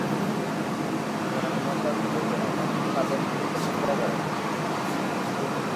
জনাব মোস্তাফিজুর রহমান মাদ্রাসাটি প্রতিষ্ঠা করেন।